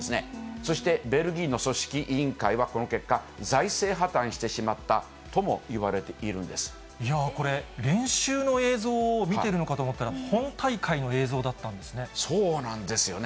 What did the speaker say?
そしてベルギーの組織委員会はこの結果、財政破綻してしまったといやぁ、これ、練習の映像を見てるのかと思ったら、そうなんですよね。